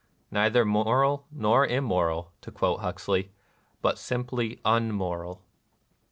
" Neither moral nor immoral," to quote Huxley, " but simply unmoral."